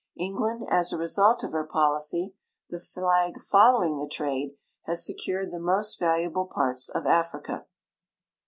Eng land as a result of her policy — the flag folloAving the trade — has secured the most valuable parts of Africa.